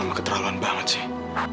mama keterlaluan banget sih